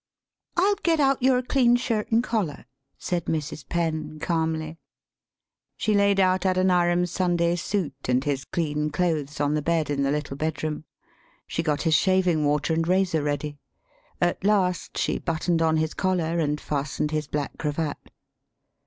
" I'll get out your clean shirt an' collar," [said Mrs. Penn, calmly]. She laid out Adoniram's Sunday suit and his clean clothes on the bed in the little bedroom. She got his shaving water and razor ready. At last she buttoned on his collar and fastened his black cravat.